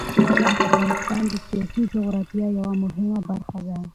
خاوره د افغانستان د سیاسي جغرافیه یوه مهمه برخه ده.